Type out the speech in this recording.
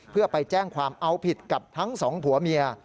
เพื่อไปแจ้งความเอาผิดกับทั้งสองผัวเมีย